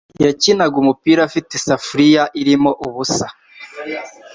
Yakinaga umupira afite isafuriya irimo ubusa.